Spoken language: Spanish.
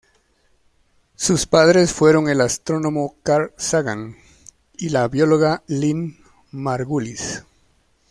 Sus padres fueron el astrónomo Carl Sagan y la bióloga Lynn Margulis.